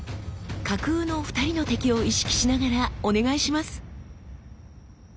架空の２人の敵を意識しながらお願いします！